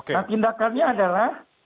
nah tindakannya adalah